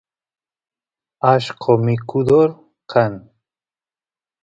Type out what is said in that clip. allqo mikudor kan